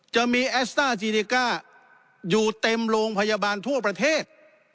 แอสต้าซีเนก้าอยู่เต็มโรงพยาบาลทั่วประเทศ